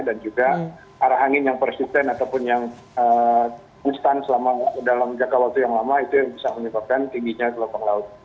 dan juga arah angin yang persisten ataupun yang instan dalam jakal waktu yang lama itu bisa menyebabkan tingginya gelombang laut